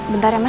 bentar ya mas